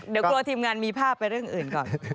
เดี๋ยวกลัวทีมงานมีภาพไปเรื่องอื่นก่อน